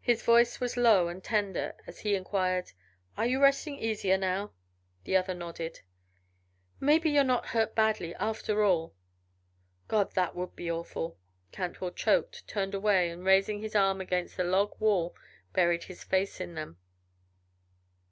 His voice was low and tender as he inquired, "Are you resting easier now?" The other nodded. "Maybe you're not hurt badly, after all. God! That would be awful " Cantwell choked, turned away, and, raising his arms against the log wall, buried his face in them.